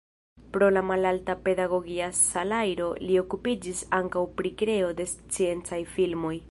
Pro la malalta pedagogia salajro li okupiĝis ankaŭ pri kreo de sciencaj filmoj.